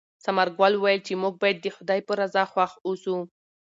ثمرګل وویل چې موږ باید د خدای په رضا خوښ اوسو.